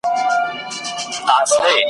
هر محفل ته به په یاد یم له زمان سره همزولی `